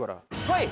はい！